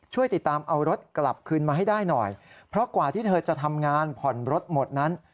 ช่วยติดตามเอารถกลับคืนมาให้ได้หน่อยเพราะกว่าที่เธอจะทำงานผ่อนรถหมดนั้น